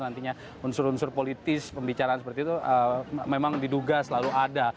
nantinya unsur unsur politis pembicaraan seperti itu memang diduga selalu ada